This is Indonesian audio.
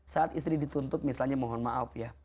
saat istri dituntut misalnya mohon maaf ya